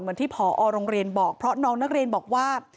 เหมือนที่ผอโรงเรียนบอกเพราะน้องนักเรียนบอกว่า